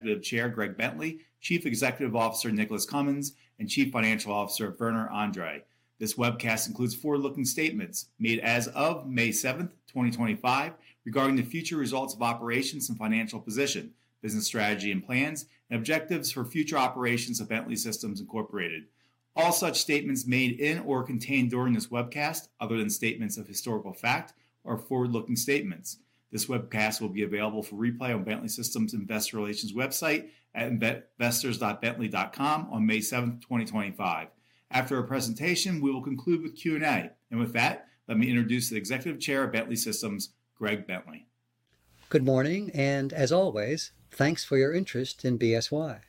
The Chair, Greg Bentley, Chief Executive Officer, Nicholas Cumins, and Chief Financial Officer, Werner Andre. This webcast includes forward-looking statements made as of May 7, 2025, regarding the future results of operations and financial position, business strategy and plans, and objectives for future operations of Bentley Systems. All such statements made in or contained during this webcast, other than statements of historical fact, are forward-looking statements. This webcast will be available for replay on Bentley Systems Investor Relations website at investors.bentley.com on May 7, 2025. After our presentation, we will conclude with Q&A. With that, let me introduce the Executive Chair of Bentley Systems, Greg Bentley. Good morning, and as always, thanks for your interest in BSY.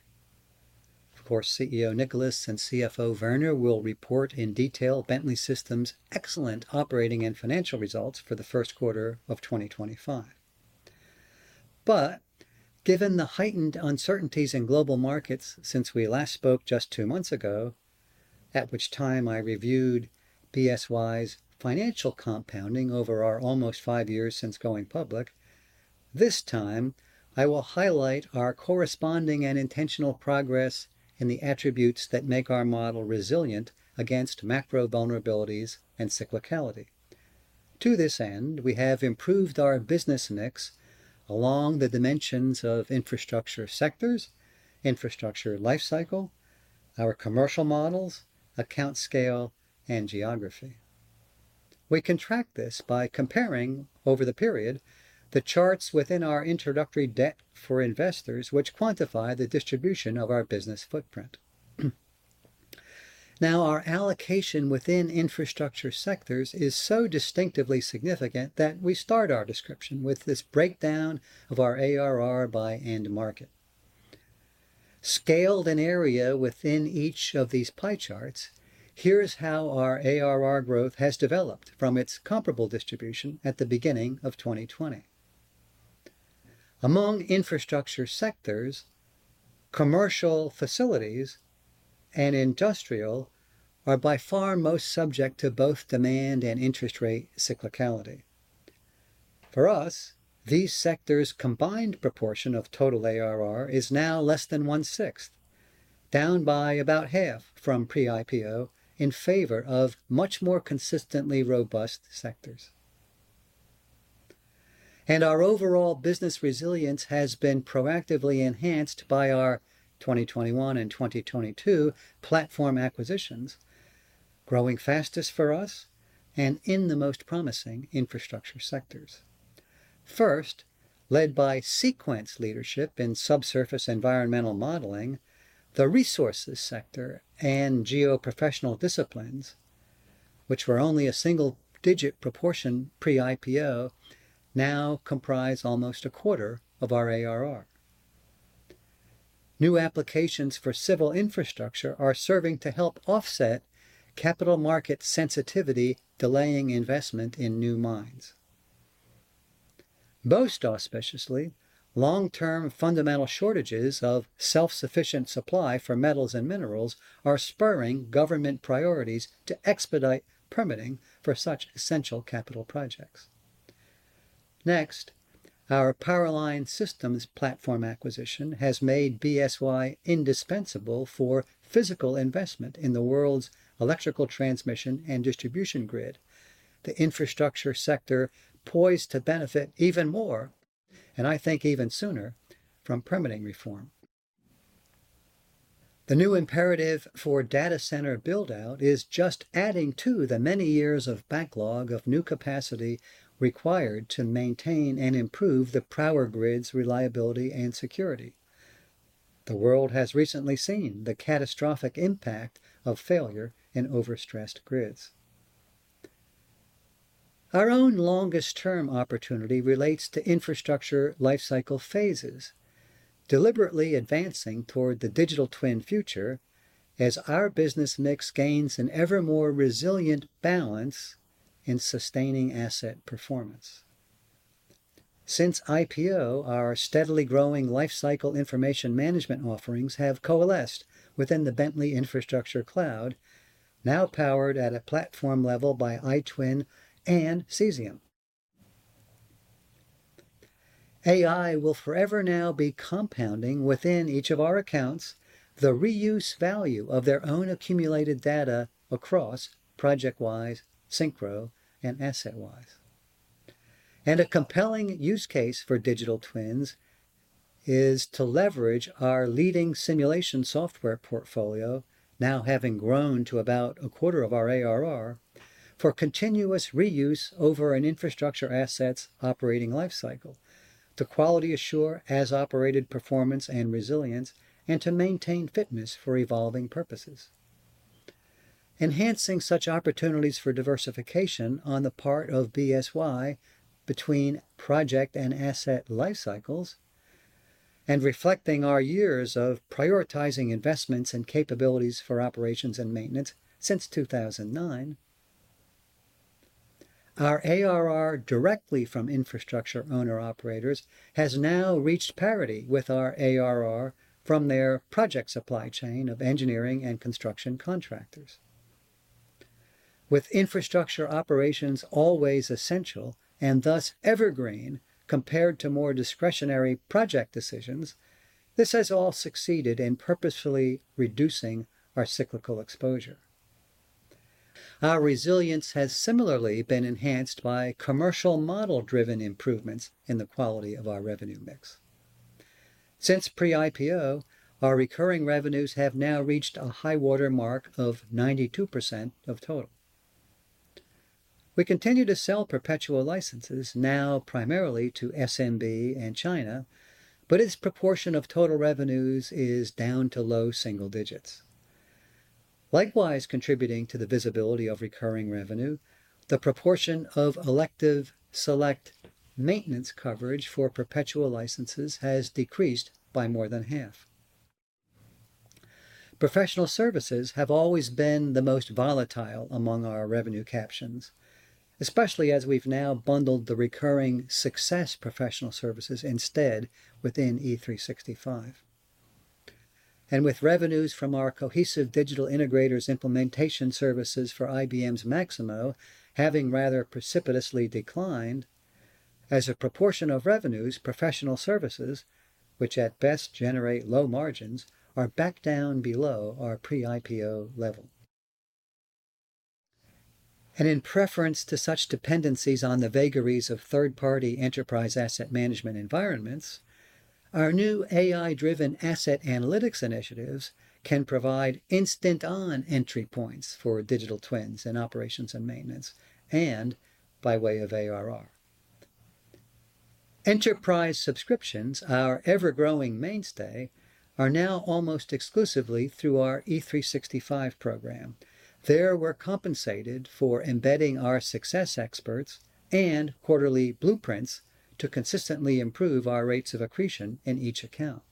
Of course, CEO Nicholas and CFO Werner will report in detail Bentley Systems' excellent operating and financial results for the first quarter of 2025. Given the heightened uncertainties in global markets since we last spoke just two months ago, at which time I reviewed BSY's financial compounding over our almost five years since going public, this time I will highlight our corresponding and intentional progress in the attributes that make our model resilient against macro vulnerabilities and cyclicality. To this end, we have improved our business mix along the dimensions of infrastructure sectors, infrastructure lifecycle, our commercial models, account scale, and geography. We contract this by comparing over the period the charts within our introductory deck for investors, which quantify the distribution of our business footprint. Now, our allocation within infrastructure sectors is so distinctively significant that we start our description with this breakdown of our ARR by end market. Scaled an area within each of these pie charts, here is how our ARR growth has developed from its comparable distribution at the beginning of 2020. Among infrastructure sectors, commercial facilities and industrial are by far most subject to both demand and interest rate cyclicality. For us, these sectors' combined proportion of total ARR is now less than one-sixth, down by about half from pre-IPO in favor of much more consistently robust sectors. Our overall business resilience has been proactively enhanced by our 2021 and 2022 platform acquisitions, growing fastest for us and in the most promising infrastructure sectors. First, led by Seequent leadership in subsurface environmental modeling, the resources sector and geoprofessional disciplines, which were only a single-digit proportion pre-IPO, now comprise almost a quarter of our ARR. New applications for civil infrastructure are serving to help offset capital market sensitivity, delaying investment in new mines. Most auspiciously, long-term fundamental shortages of self-sufficient supply for metals and minerals are spurring government priorities to expedite permitting for such essential capital projects. Next, our Power Line Systems platform acquisition has made BSY indispensable for physical investment in the world's electrical transmission and distribution grid. The infrastructure sector is poised to benefit even more, and I think even sooner, from permitting reform. The new imperative for data center build-out is just adding to the many years of backlog of new capacity required to maintain and improve the power grid's reliability and security. The world has recently seen the catastrophic impact of failure in overstressed grids. Our own longest-term opportunity relates to infrastructure lifecycle phases, deliberately advancing toward the digital twin future as our business mix gains an ever-more resilient balance in sustaining asset performance. Since IPO, our steadily growing lifecycle information management offerings have coalesced within the Bentley Infrastructure Cloud, now powered at a platform level by iTwin and Cesium. AI will forever now be compounding within each of our accounts, the reuse value of their own accumulated data across ProjectWise, SYNCHRO, and AssetWise. A compelling use case for digital twins is to leverage our leading simulation software portfolio, now having grown to about a quarter of our ARR, for continuous reuse over an infrastructure asset's operating lifecycle, to quality assure as-operated performance and resilience, and to maintain fitness for evolving purposes. Enhancing such opportunities for diversification on the part of BSY between project and asset lifecycles and reflecting our years of prioritizing investments and capabilities for operations and maintenance since 2009, our ARR directly from infrastructure owner-operators has now reached parity with our ARR from their project supply chain of engineering and construction contractors. With infrastructure operations always essential and thus evergreen compared to more discretionary project decisions, this has all succeeded in purposefully reducing our cyclical exposure. Our resilience has similarly been enhanced by commercial model-driven improvements in the quality of our revenue mix. Since pre-IPO, our recurring revenues have now reached a high watermark of 92% of total. We continue to sell perpetual licenses, now primarily to SMB and China, but its proportion of total revenues is down to low single digits. Likewise, contributing to the visibility of recurring revenue, the proportion of elective SELECT maintenance coverage for perpetual licenses has decreased by more than half. Professional services have always been the most volatile among our revenue captions, especially as we've now bundled the recurring success professional services instead within E365. With revenues from our cohesive digital integrators implementation services for IBM's Maximo having rather precipitously declined, as a proportion of revenues, professional services, which at best generate low margins, are back down below our pre-IPO level. In preference to such dependencies on the vagaries of third-party enterprise asset management environments, our new AI-driven asset analytics initiatives can provide instant-on entry points for digital twins and operations and maintenance, and by way of ARR. Enterprise subscriptions, our ever-growing mainstay, are now almost exclusively through our E365 program. They were compensated for embedding our success experts and quarterly blueprints to consistently improve our rates of accretion in each account.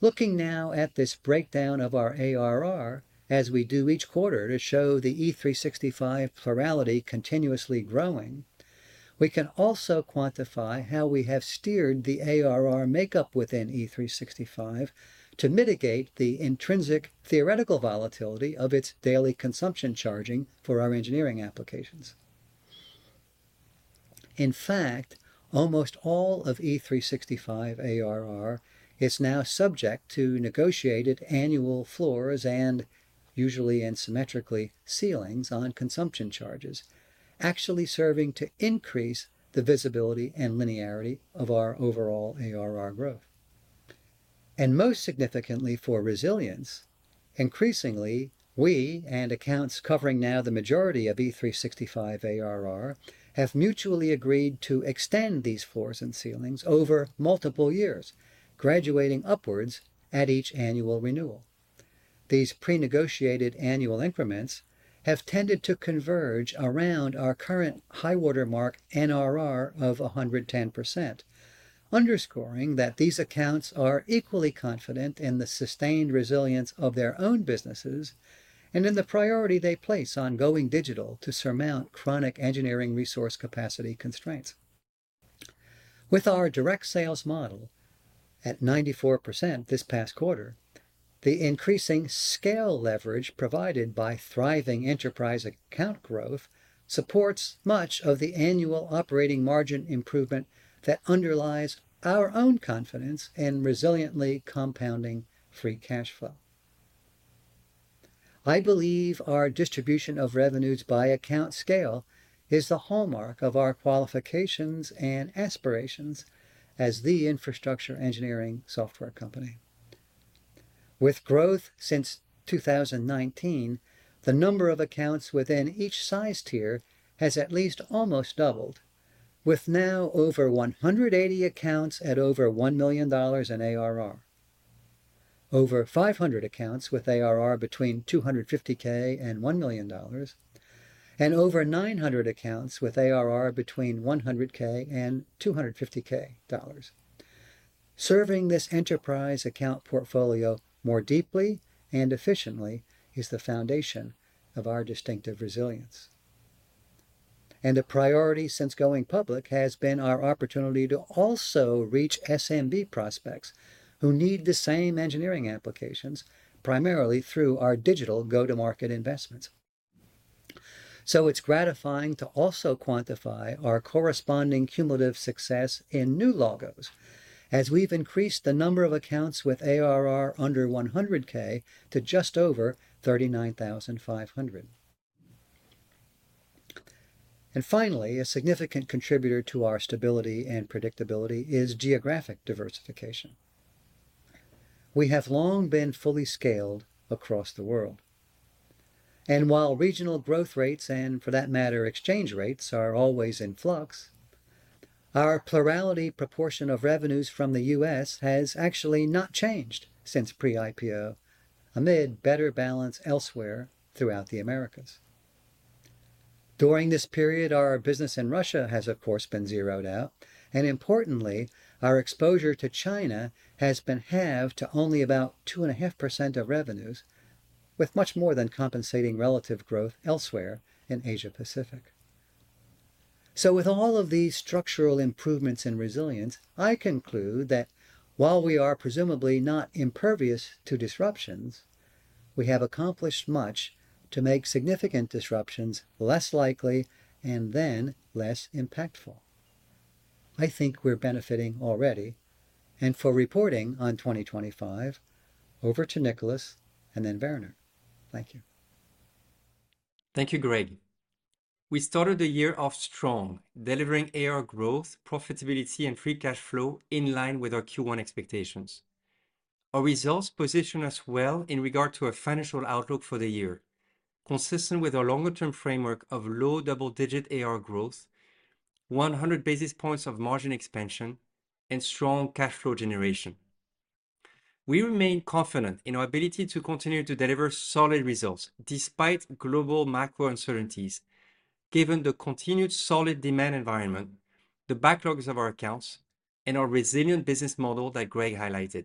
Looking now at this breakdown of our ARR as we do each quarter to show the E365 plurality continuously growing, we can also quantify how we have steered the ARR makeup within E365 to mitigate the intrinsic theoretical volatility of its daily consumption charging for our engineering applications. In fact, almost all of E365 ARR is now subject to negotiated annual floors and, usually and symmetrically, ceilings on consumption charges, actually serving to increase the visibility and linearity of our overall ARR growth. Most significantly for resilience, increasingly, we and accounts covering now the majority of E365 ARR have mutually agreed to extend these floors and ceilings over multiple years, graduating upwards at each annual renewal. These pre-negotiated annual increments have tended to converge around our current high watermark NRR of 110%, underscoring that these accounts are equally confident in the sustained resilience of their own businesses and in the priority they place on going digital to surmount chronic engineering resource capacity constraints. With our direct sales model at 94% this past quarter, the increasing scale leverage provided by thriving enterprise account growth supports much of the annual operating margin improvement that underlies our own confidence in resiliently compounding free cash flow. I believe our distribution of revenues by account scale is the hallmark of our qualifications and aspirations as the infrastructure engineering software company. With growth since 2019, the number of accounts within each size tier has at least almost doubled, with now over 180 accounts at over $1 million in ARR, over 500 accounts with ARR between $250,000 and $1 million, and over 900 accounts with ARR between $100,000 and $250,000. Serving this enterprise account portfolio more deeply and efficiently is the foundation of our distinctive resilience. A priority since going public has been our opportunity to also reach SMB prospects who need the same engineering applications, primarily through our digital go-to-market investments. It is gratifying to also quantify our corresponding cumulative success in new logos as we have increased the number of accounts with ARR under $100,000 to just over 39,500. Finally, a significant contributor to our stability and predictability is geographic diversification. We have long been fully scaled across the world. While regional growth rates and, for that matter, exchange rates are always in flux, our plurality proportion of revenues from the US has actually not changed since pre-IPO, amid better balance elsewhere throughout the Americas. During this period, our business in Russia has, of course, been zeroed out, and importantly, our exposure to China has been halved to only about 2.5% of revenues, with much more than compensating relative growth elsewhere in Asia-Pacific. With all of these structural improvements in resilience, I conclude that while we are presumably not impervious to disruptions, we have accomplished much to make significant disruptions less likely and then less impactful. I think we're benefiting already, and for reporting on 2025, over to Nicholas and then Werner. Thank you. Thank you, Greg. We started the year off strong, delivering ARR growth, profitability, and free cash flow in line with our Q1 expectations. Our results position us well in regard to our financial outlook for the year, consistent with our longer-term framework of low double-digit ARR growth, 100 basis points of margin expansion, and strong cash flow generation. We remain confident in our ability to continue to deliver solid results despite global macro uncertainties, given the continued solid demand environment, the backlogs of our accounts, and our resilient business model that Greg highlighted.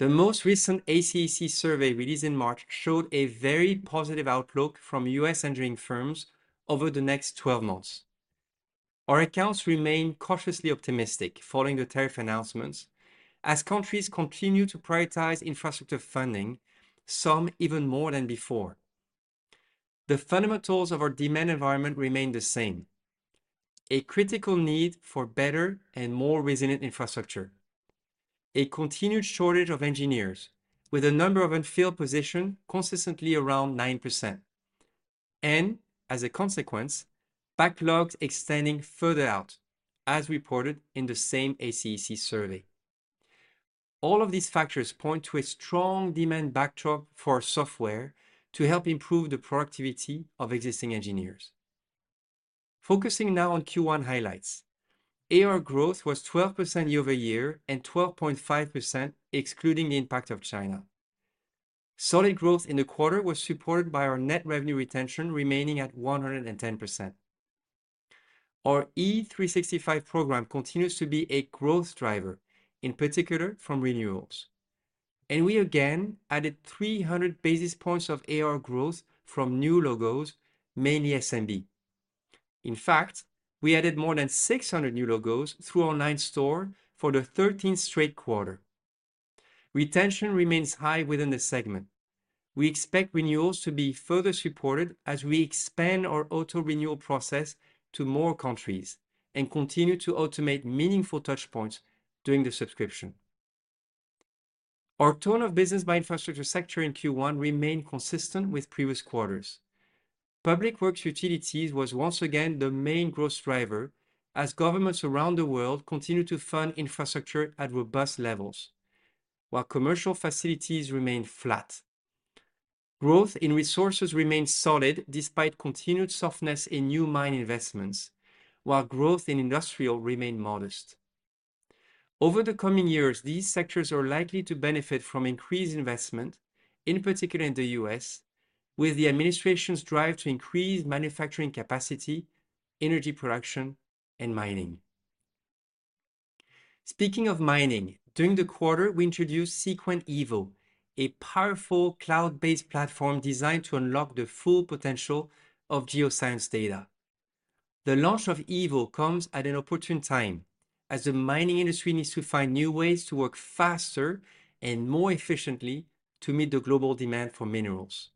The most recent ACEC survey released in March showed a very positive outlook from U.S. engineering firms over the next 12 months. Our accounts remain cautiously optimistic following the tariff announcements as countries continue to prioritize infrastructure funding, some even more than before. The fundamentals of our demand environment remain the same: a critical need for better and more resilient infrastructure, a continued shortage of engineers with a number of unfilled positions consistently around 9%, and, as a consequence, backlogs extending further out, as reported in the same ACEC survey. All of these factors point to a strong demand backdrop for software to help improve the productivity of existing engineers. Focusing now on Q1 highlights, ARR growth was 12% year-over-year and 12.5% excluding the impact of China. Solid growth in the quarter was supported by our net revenue retention remaining at 110%. Our E365 program continues to be a growth driver, in particular from renewals. We again added 300 basis points of ARR growth from new logos, mainly SMB. In fact, we added more than 600 new logos through our online for the 13th straight quarter. Retention remains high within the segment. We expect renewals to be further supported as we expand our auto-renewal process to more countries and continue to automate meaningful touchpoints during the subscription. Our tone of business by infrastructure sector in Q1 remained consistent with previous quarters. Public works utilities was once again the main growth driver as governments around the world continued to fund infrastructure at robust levels, while commercial facilities remained flat. Growth in resources remained solid despite continued softness in new mine investments, while growth in industrial remained modest. Over the coming years, these sectors are likely to benefit from increased investment, in particular in the US, with the administration's drive to increase manufacturing capacity, energy production, and mining. Speaking of mining, during the quarter, we introduced Seequent Evo, a powerful cloud-based platform designed to unlock the full potential of geoscience data. The launch of Evo comes at an opportune time as the mining industry needs to find new ways to work faster and more efficiently to meet the global demand for minerals.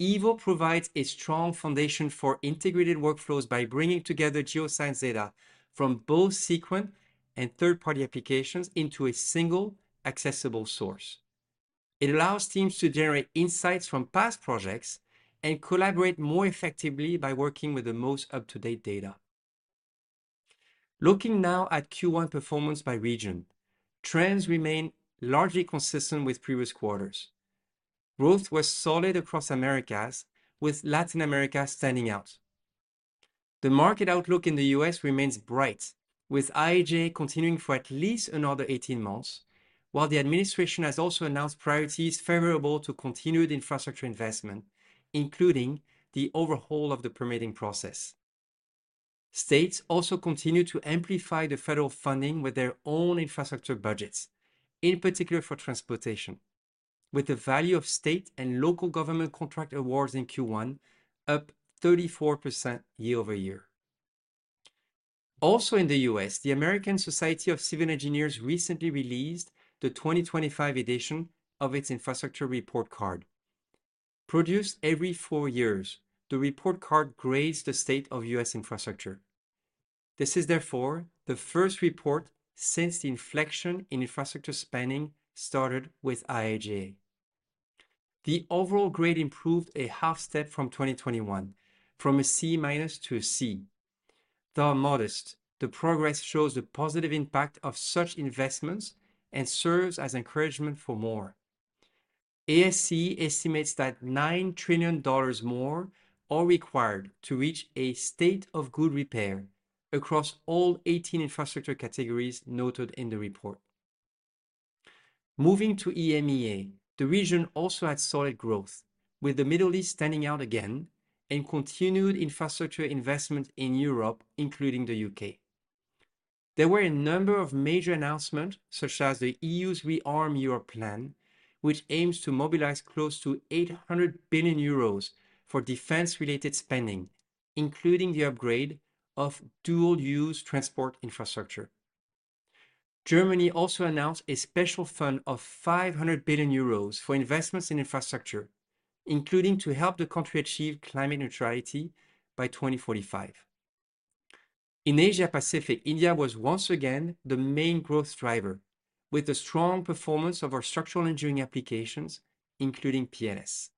Evo provides a strong foundation for integrated workflows by bringing together geoscience data from both Seequent and third-party applications into a single, accessible source. It allows teams to generate insights from past projects and collaborate more effectively by working with the most up-to-date data. Looking now at Q1 performance by region, trends remain largely consistent with previous quarters. Growth was solid across Americas, with Latin America standing out. The market outlook in the US remains bright, with IIJA continuing for at least another 18 months, while the administration has also announced priorities favorable to continued infrastructure investment, including the overhaul of the permitting process. States also continue to amplify the federal funding with their own infrastructure budgets, in particular for transportation, with the value of state and local government contract awards in Q1 up 34% year-over-year. Also in the U.S., the American Society of Civil Engineers recently released the 2025 edition of its infrastructure report card. Produced every four years, the report card grades the state of U.S. infrastructure. This is therefore the first report since the inflection in infrastructure spending started with IIJA. The overall grade improved a half step from 2021, from a C minus to a C. Though modest, the progress shows the positive impact of such investments and serves as encouragement for more. ASCE estimates that $9 trillion more are required to reach a state of good repair across all 18 infrastructure categories noted in the report. Moving to EMEA, the region also had solid growth, with the Middle East standing out again and continued infrastructure investment in Europe, including the U.K. There were a number of major announcements, such as the EU's ReArm Europe Plan, which aims to mobilize close to $ 800 billion for defense-related spending, including the upgrade of dual-use transport infrastructure. Germany also announced a special fund of $ 500 billion for investments in infrastructure, including to help the country achieve climate neutrality by 2045. In Asia-Pacific, India was once again the main growth driver, with the strong performance of our structural engineering applications, including PLS.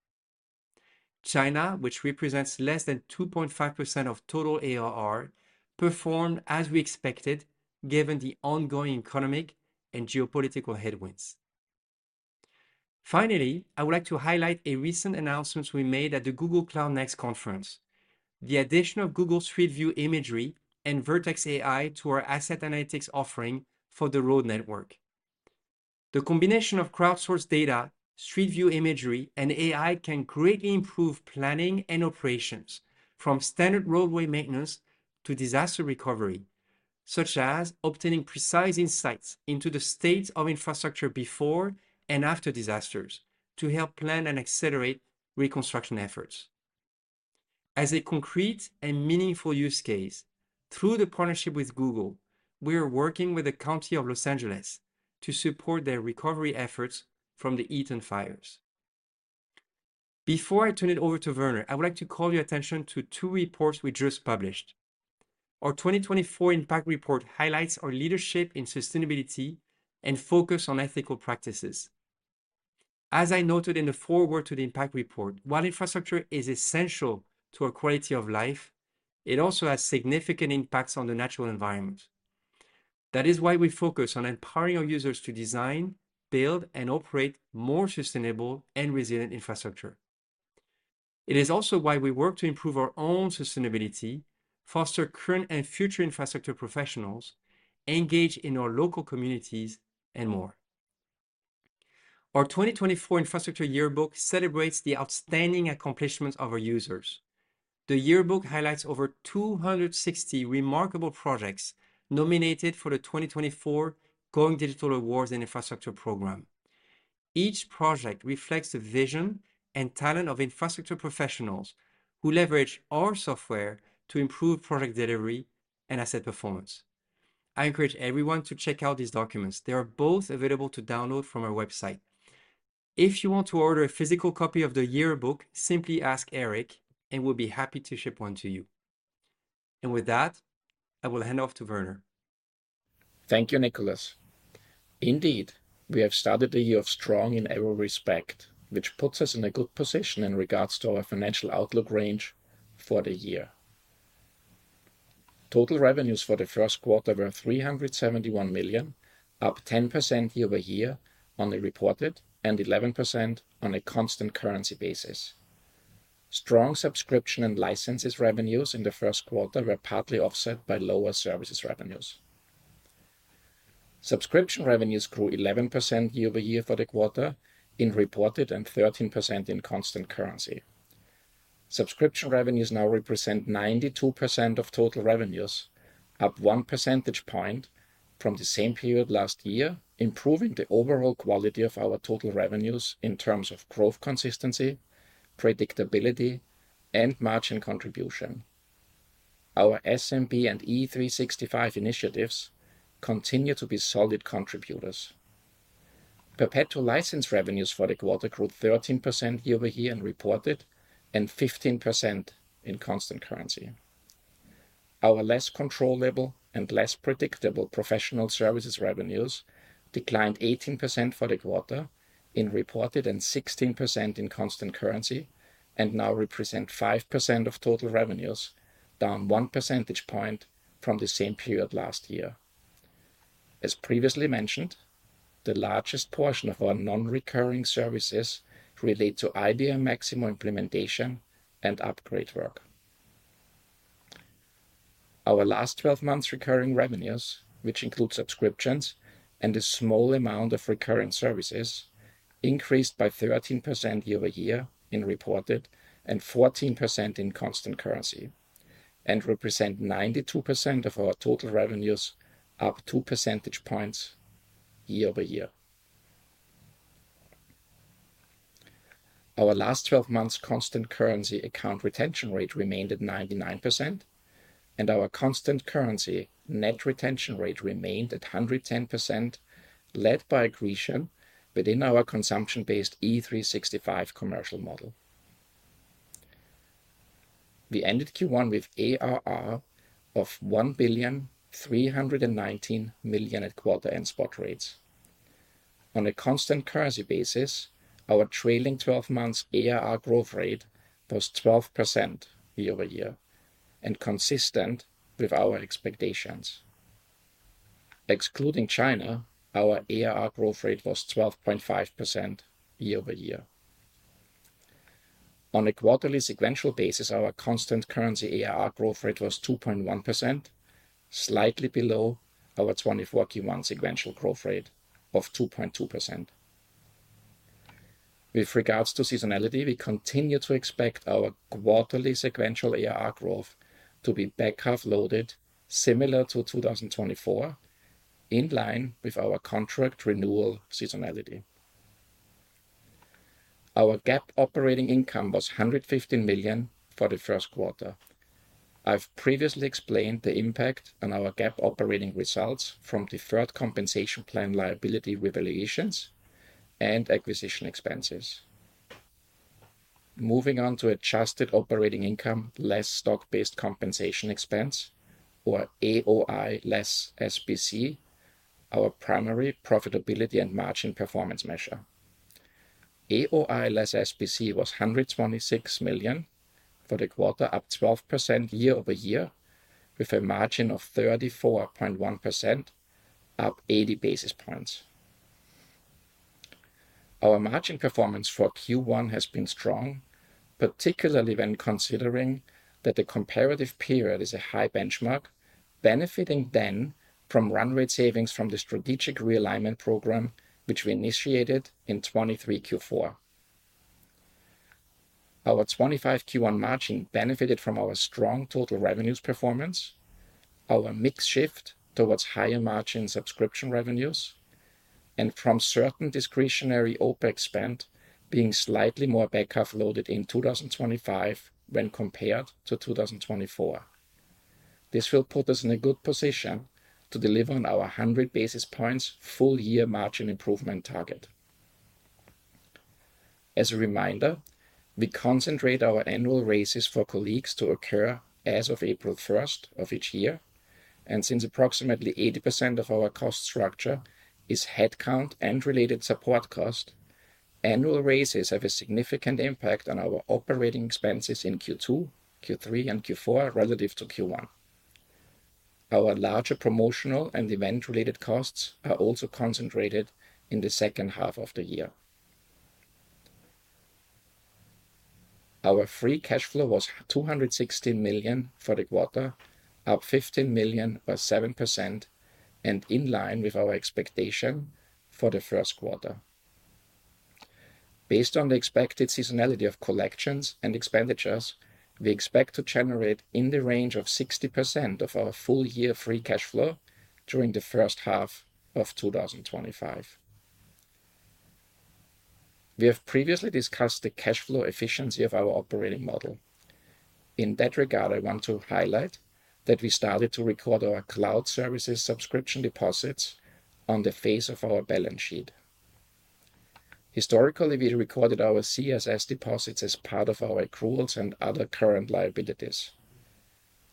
China, which represents less than 2.5% of total ARR, performed as we expected, given the ongoing economic and geopolitical headwinds. Finally, I would like to highlight a recent announcement we made at the Google Cloud Next conference: the addition of Google Street View imagery and Vertex AI to our asset analytics offering for the road network. The combination of crowdsourced data, Street View imagery, and AI can greatly improve planning and operations, from standard roadway maintenance to disaster recovery, such as obtaining precise insights into the state of infrastructure before and after disasters to help plan and accelerate reconstruction efforts. As a concrete and meaningful use case, through the partnership with Google, we are working with the County of Los Angeles to support their recovery efforts from the Eaton fires. Before I turn it over to Werner, I would like to call your attention to two reports we just published. Our 2024 Impact Report highlights our leadership in sustainability and focus on ethical practices. As I noted in the foreword to the Impact Report, while infrastructure is essential to our quality of life, it also has significant impacts on the natural environment. That is why we focus on empowering our users to design, build, and operate more sustainable and resilient infrastructure. It is also why we work to improve our own sustainability, foster current and future infrastructure professionals, engage in our local communities, and more. Our 2024 Infrastructure Yearbook celebrates the outstanding accomplishments of our users. The yearbook highlights over 260 remarkable projects nominated for the 2024 Going Digital Awards and Infrastructure Program. Each project reflects the vision and talent of infrastructure professionals who leverage our software to improve project delivery and asset performance. I encourage everyone to check out these documents. They are both available to download from our website. If you want to order a physical copy of the yearbook, simply ask Eric, and we'll be happy to ship one to you. I will hand off to Werner. Thank you, Nicholas. Indeed, we have started the year strong in every respect, which puts us in a good position in regards to our financial outlook range for the year. Total revenues for the first quarter were $371 million, up 10% year-over-year on the reported and 11% on a constant currency basis. Strong subscription and licenses revenues in the first quarter were partly offset by lower services revenues. Subscription revenues grew 11% year-over-year for the quarter in reported and 13% in constant currency. Subscription revenues now represent 92% of total revenues, up one percentage point from the same period last year, improving the overall quality of our total revenues in terms of growth consistency, predictability, and margin contribution. Our SMB and E365 initiatives continue to be solid contributors. Perpetual license revenues for the quarter grew 13% year-over-year in reported and 15% in constant currency. Our less controllable and less predictable professional services revenues declined 18% for the quarter in reported and 16% in constant currency, and now represent 5% of total revenues, down one percentage point from the same period last year. As previously mentioned, the largest portion of our non-recurring services relate to IBM Maximo implementation and upgrade work. Our last 12 months' recurring revenues, which include subscriptions and a small amount of recurring services, increased by 13% year-over-year in reported and 14% in constant currency, and represent 92% of our total revenues, up two percentage points year-over-year. Our last 12 months' constant currency account retention rate remained at 99%, and our constant currency net retention rate remained at 110%, led by aggression within our consumption-based E365 commercial model. We ended Q1 with ARR of $1.319 billion at quarter-end spot rates. On a constant currency basis, our trailing 12 months' ARR growth rate was 12% year-over-year and consistent with our expectations. Excluding China, our ARR growth rate was 12.5% year-over-year. On a quarterly sequential basis, our constant currency ARR growth rate was 2.1%, slightly below our 2024 Q1 sequential growth rate of 2.2%. With regards to seasonality, we continue to expect our quarterly sequential ARR growth to be back-half loaded, similar to 2024, in line with our contract renewal seasonality. Our GAAP operating income was $115 million for the first quarter. I've previously explained the impact on our GAAP operating results from deferred compensation plan liability revaluations and acquisition expenses. Moving on to adjusted operating income less stock-based compensation expense, or AOI less SBC, our primary profitability and margin performance measure. AOI less SBC was $126 million for the quarter, up 12% year-over-year, with a margin of 34.1%, up 80 basis points. Our margin performance for Q1 has been strong, particularly when considering that the comparative period is a high benchmark, benefiting then from run-rate savings from the strategic realignment program, which we initiated in 2023 Q4. Our 2025 Q1 margin benefited from our strong total revenues performance, our mix shift towards higher margin subscription revenues, and from certain discretionary OpEx spend being slightly more back-half loaded in 2025 when compared to 2024. This will put us in a good position to deliver on our 100 basis points full-year margin improvement target. As a reminder, we concentrate our annual raises for colleagues to occur as of April 1 of each year, and since approximately 80% of our cost structure is headcount and related support cost, annual raises have a significant impact on our operating expenses in Q2, Q3, and Q4 relative to Q1. Our larger promotional and event-related costs are also concentrated in the second half of the year. Our free cash flow was $216 million for the quarter, up $15 million by 7%, and in line with our expectation for the first quarter. Based on the expected seasonality of collections and expenditures, we expect to generate in the range of 60% of our full-year free cash flow during the first half of 2025. We have previously discussed the cash flow efficiency of our operating model. In that regard, I want to highlight that we started to record our cloud services subscription deposits on the face of our balance sheet. Historically, we recorded our CSS deposits as part of our accruals and other current liabilities.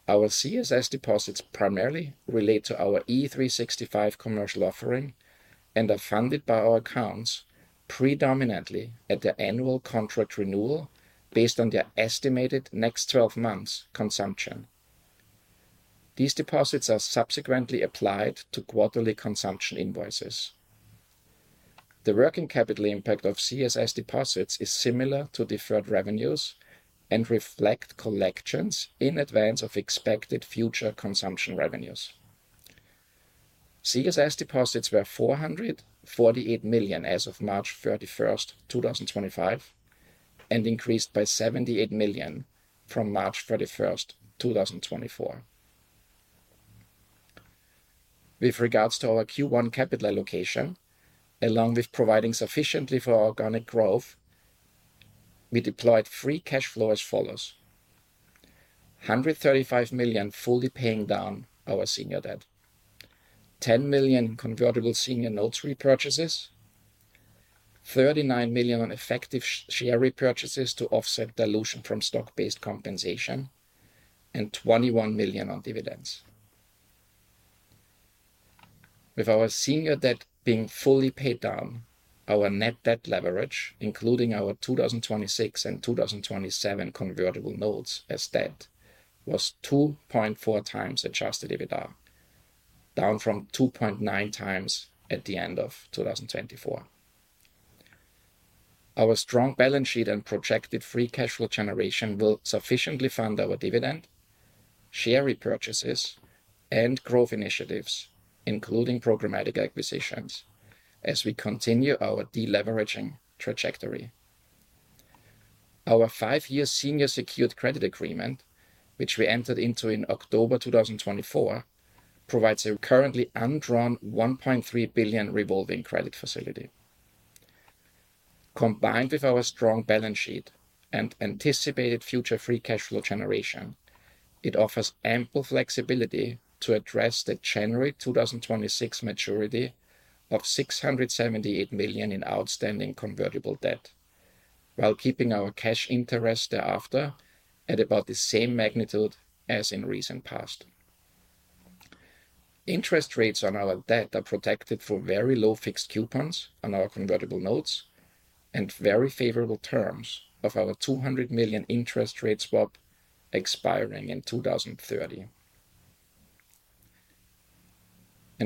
Our CSS deposits primarily relate to our E365 commercial offering and are funded by our accounts predominantly at the annual contract renewal based on their estimated next 12 months' consumption. These deposits are subsequently applied to quarterly consumption invoices. The working capital impact of CSS deposits is similar to deferred revenues and reflects collections in advance of expected future consumption revenues. CSS deposits were $448 million as of March 31, 2025, and increased by $78 million from March 31, 2024. With regards to our Q1 capital allocation, along with providing sufficiently for organic growth, we deployed free cash flow as follows: $135 million fully paying down our senior debt, $10 million in convertible senior notes repurchases, $39 million on effective share repurchases to offset dilution from stock-based compensation, and $21 million on dividends. With our senior debt being fully paid down, our net debt leverage, including our 2026 and 2027 convertible notes as debt, was 2.4 times adjusted EBITDA, down from 2.9 times at the end of 2024. Our strong balance sheet and projected free cash flow generation will sufficiently fund our dividend, share repurchases, and growth initiatives, including programmatic acquisitions, as we continue our deleveraging trajectory. Our five-year senior secured credit agreement, which we entered into in October 2024, provides a currently undrawn $1.3 billion revolving credit facility. Combined with our strong balance sheet and anticipated future free cash flow generation, it offers ample flexibility to address the January 2026 maturity of $678 million in outstanding convertible debt, while keeping our cash interest thereafter at about the same magnitude as in recent past. Interest rates on our debt are protected for very low fixed coupons on our convertible notes and very favorable terms of our $200 million interest rate swap expiring in 2030.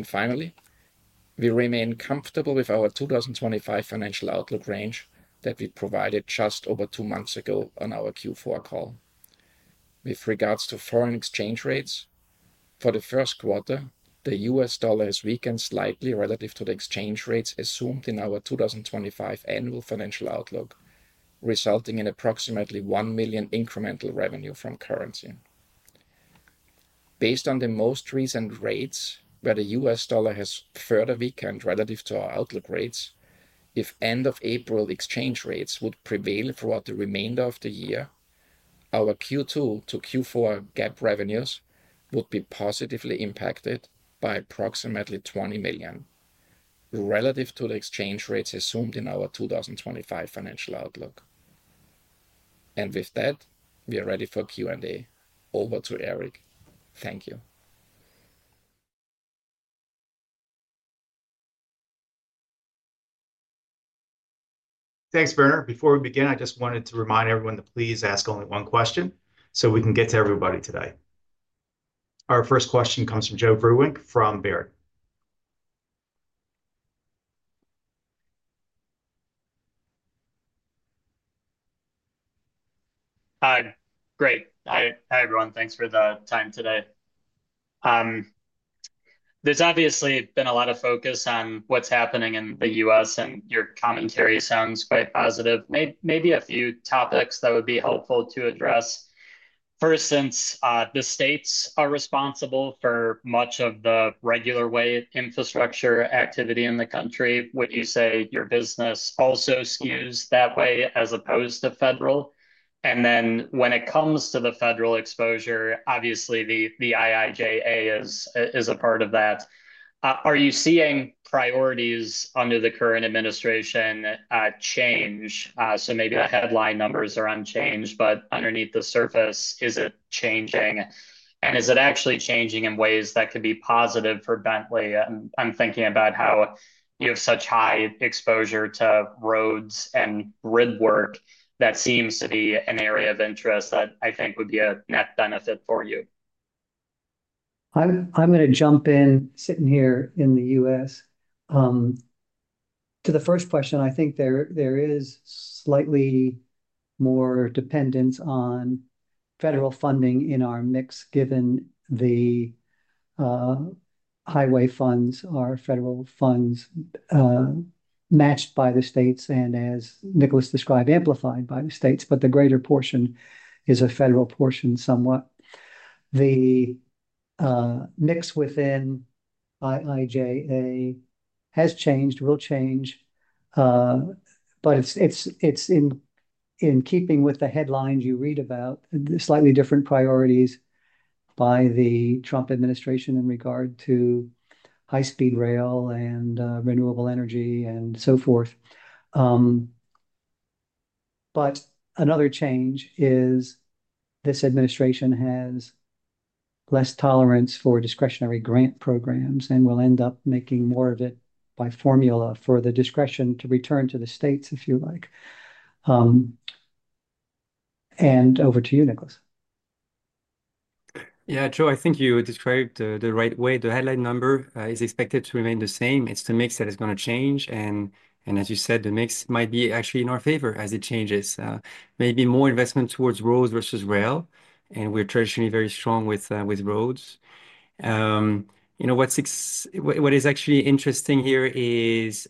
Finally, we remain comfortable with our 2025 financial outlook range that we provided just over two months ago on our Q4 call. With regards to foreign exchange rates, for the first quarter, the US dollar has weakened slightly relative to the exchange rates assumed in our 2025 annual financial outlook, resulting in approximately $1 million incremental revenue from currency. Based on the most recent rates, where the US dollar has further weakened relative to our outlook rates, if end-of-April exchange rates would prevail throughout the remainder of the year, our Q2-Q4 GAAP revenues would be positively impacted by approximately $20 million relative to the exchange rates assumed in our 2025 financial outlook. We are ready for Q&A. Over to Eric. Thank you. Thanks, Werner. Before we begin, I just wanted to remind everyone to please ask only one question so we can get to everybody today. Our first question comes from Joe Vruwink from Baird. Hi. Great. Hi, everyone. Thanks for the time today. There's obviously been a lot of focus on what's happening in the U.S., and your commentary sounds quite positive. Maybe a few topics that would be helpful to address. First, since the states are responsible for much of the regular way infrastructure activity in the country, would you say your business also skews that way as opposed to federal? When it comes to the federal exposure, obviously the IIJA is a part of that. Are you seeing priorities under the current administration change? Maybe the headline numbers are unchanged, but underneath the surface, is it changing? Is it actually changing in ways that could be positive for Bentley? I'm thinking about how you have such high exposure to roads and grid work that seems to be an area of interest that I think would be a net benefit for you. I'm going to jump in, sitting here in the U.S. To the first question, I think there is slightly more dependence on federal funding in our mix, given the highway funds, our federal funds matched by the states, and as Nicholas described, amplified by the states, but the greater portion is a federal portion somewhat. The mix within IIJA has changed, will change, but it is in keeping with the headlines you read about, slightly different priorities by the Trump administration in regard to high-speed rail and renewable energy and so forth. Another change is this administration has less tolerance for discretionary grant programs and will end up making more of it by formula for the discretion to return to the states, if you like. Over to you, Nicholas. Yeah, Joe, I think you described the right way. The headline number is expected to remain the same. It's the mix that is going to change. As you said, the mix might be actually in our favor as it changes. Maybe more investment towards roads versus rail. We're traditionally very strong with roads. You know what is actually interesting here is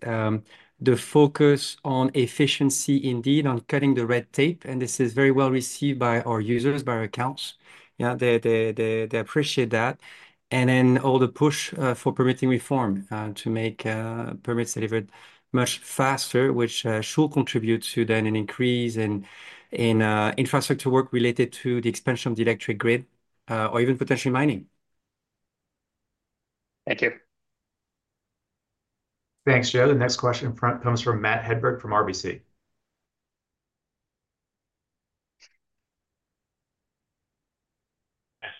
the focus on efficiency, indeed, on cutting the red tape. This is very well received by our users, by our accounts. Yeah, they appreciate that. All the push for permitting reform to make permits delivered much faster, which should contribute to an increase in infrastructure work related to the expansion of the electric grid or even potentially mining. Thank you. Thanks, Joe. The next question comes from Matt Hedberg from RBC.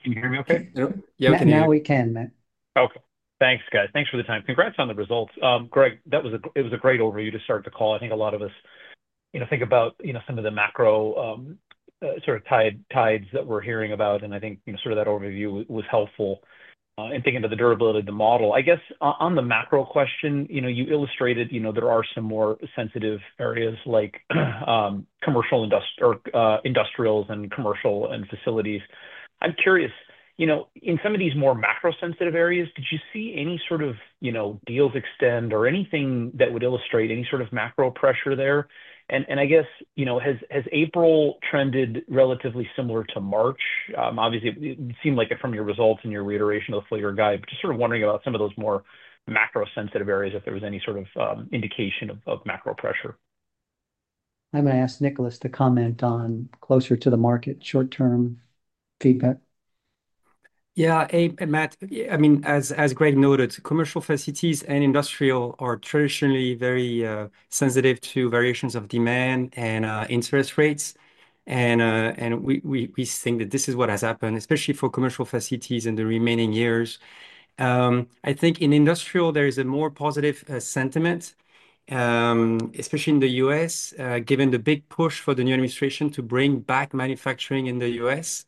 Can you hear me okay? Yeah, we can hear you. Now we can, Matt. Okay. Thanks, guys. Thanks for the time. Congrats on the results. Greg, that was a great overview to start the call. I think a lot of us think about some of the macro sort of tides that we're hearing about. I think that overview was helpful in thinking of the durability of the model. I guess on the macro question, you illustrated there are some more sensitive areas like commercial industrials and commercial and facilities. I'm curious, in some of these more macro-sensitive areas, did you see any sort of deals extend or anything that would illustrate any sort of macro pressure there? I guess, has April trended relatively similar to March? Obviously, it seemed like from your results and your reiteration of the full-year guide, just sort of wondering about some of those more macro-sensitive areas if there was any sort of indication of macro pressure. I'm going to ask Nicholas to comment on closer-to-the-market short-term feedback. Yeah. And Matt, I mean, as Greg noted, commercial facilities and industrial are traditionally very sensitive to variations of demand and interest rates. We think that this is what has happened, especially for commercial facilities in the remaining years. I think in industrial, there is a more positive sentiment, especially in the US, given the big push for the new administration to bring back manufacturing in the US,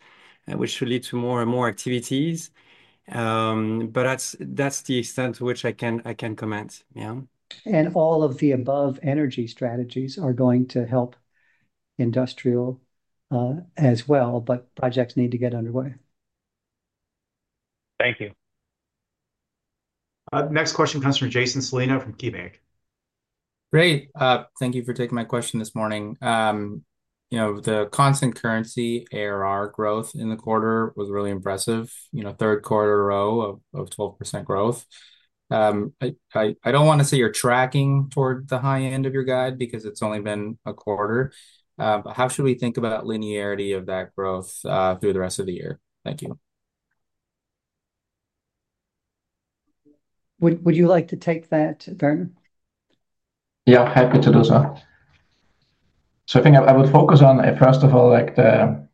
which should lead to more and more activities. That's the extent to which I can comment. Yeah. All of the above energy strategies are going to help industrial as well, but projects need to get underway. Thank you. Next question comes from Jason Celino from KeyBanc. Great. Thank you for taking my question this morning. The constant currency ARR growth in the quarter was really impressive. Third quarter row of 12% growth. I do not want to say you are tracking toward the high end of your guide because it is only been a quarter. How should we think about linearity of that growth through the rest of the year? Thank you. Would you like to take that, Werner? Yeah, happy to do so. I think I would focus on, first of all, the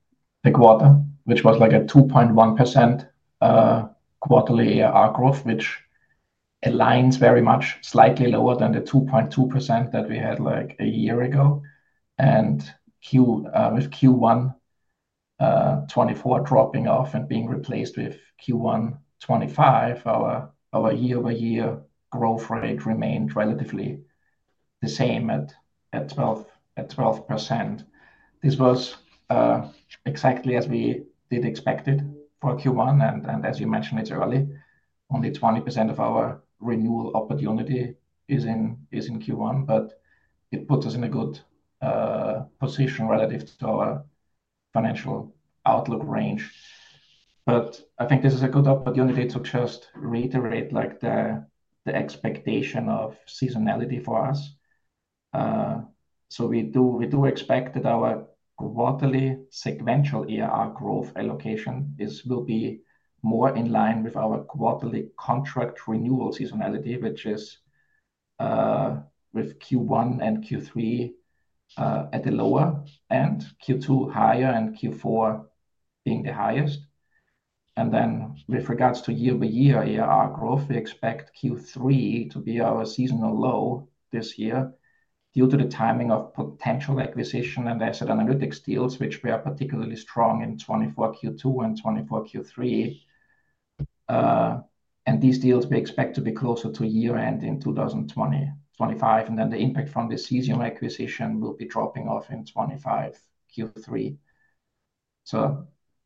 quarter, which was like a 2.1% quarterly ARR growth, which aligns very much slightly lower than the 2.2% that we had like a year ago. With Q1'24 dropping off and being replaced with Q1'25, our year-over-year growth rate remained relatively the same at 12%. This was exactly as we did expect it for Q1. As you mentioned, it is early, only 20% of our renewal opportunity is in Q1, but it puts us in a good position relative to our financial outlook range. I think this is a good opportunity to just reiterate the expectation of seasonality for us. We do expect that our quarterly sequential ERR growth allocation will be more in line with our quarterly contract renewal seasonality, which is with Q1 and Q3 at the lower end, Q2 higher and Q4 being the highest. With regards to year-over-year ERR growth, we expect Q3 to be our seasonal low this year due to the timing of potential acquisition and asset analytics deals, which were particularly strong in Q2 and Q3. These deals we expect to be closer to year-end in 2025. The impact from the seasonal acquisition will be dropping off in Q3.